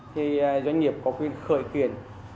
thì doanh nghiệp có quyền khởi quyền